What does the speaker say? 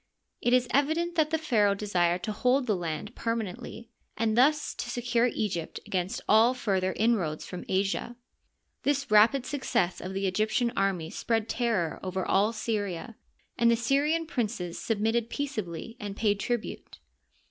It is evident that the pharaoh desired to hold the land per manently, and thus to secure Egypt against all further in roads from Asia. This rapid success of the Egyptian army spread terror over all Syria, and the Syrian princes submitted peaceably and paid tribute.